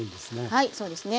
はいそうですね